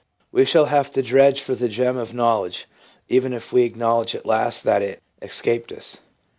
We shall have to dredge for the gem of knowledge, even if we acknowledge at last that it escaped us.